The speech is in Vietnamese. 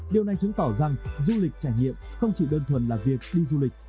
điều này chứng tỏ rằng du lịch trải nghiệm không chỉ đơn thuần là việc đi du lịch